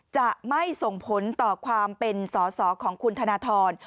จะไม่ส่งผลต่อความเป็นสอสอของคุณธนทร